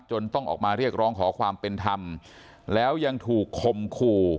ต้องออกมาเรียกร้องขอความเป็นธรรมแล้วยังถูกคมขู่